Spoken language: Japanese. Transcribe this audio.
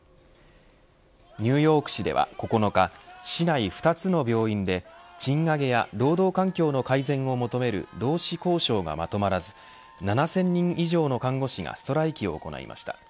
ニューヨーク市では９日市内２つの病院で賃上げや労働環境の改善を求める労使交渉がまとまらず７０００人以上の看護師がストライキを行いました。